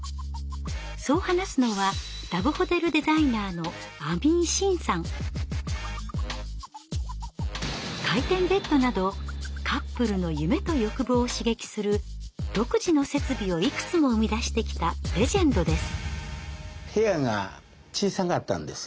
そう話すのは回転ベッドなどカップルの夢と欲望を刺激する独自の設備をいくつも生み出してきたレジェンドです。